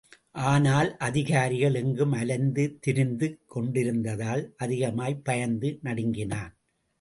ஆனால் அதிகாரிகள் எங்கும் அலைந்து திரிந்துக் கொண்டிருந்ததால் அதிகமாய் பயந்து நடுங்கினான்.